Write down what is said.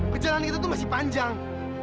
perjalanan kita itu masih panjang